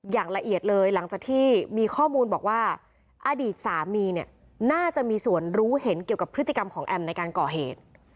อย่างละเอียดเลยหลังจากที่มีข้อมูลบอกว่าอดีตสามีเนี่ยน่าจะมีส่วนรู้เห็นเกี่ยวกับพฤติกรรมของแอมในการก่อเหตุ